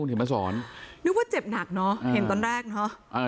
เห็นมาสอนนึกว่าเจ็บหนักเนอะเห็นตอนแรกเนอะ